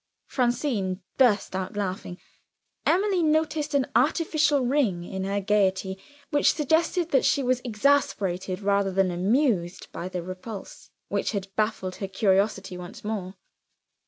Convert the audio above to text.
Francine burst out laughing. Emily noticed an artificial ring in her gayety which suggested that she was exasperated, rather than amused, by the repulse which had baffled her curiosity once more.